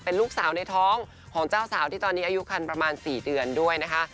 ลูกสาวในท้องของเจ้าสาวที่ตอนนี้อายุคันประมาณ๔เดือนด้วยนะคะ